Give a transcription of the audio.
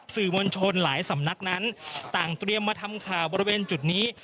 สื่อมวลชนหลายสำนักนั้นต่างเตรียมมาทำข่าวบริเวณจุดนี้